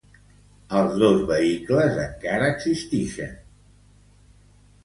Els dos vehicles encara existixen.